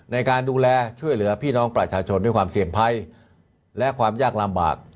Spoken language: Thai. ในการดูแลช่วยเหลือพี่น้องประชาชนด้วยความเสี่ยงภัยและความยากลำบาก